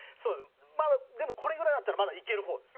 でもこれぐらいだったらまだいけるほうです。